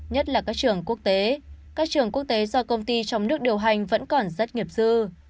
nhất là các trường quốc tế các trường quốc tế do công ty trong nước điều hành vẫn còn rất nghiệp dư